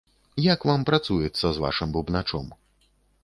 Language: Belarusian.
Як вам працуецца з вашым бубначом?